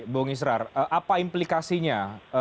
bung israr apa implikasinya